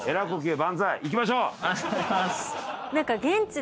行きましょう。